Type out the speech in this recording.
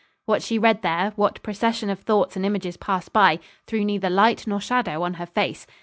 What she read there what procession of thoughts and images passed by threw neither light nor shadow on her face.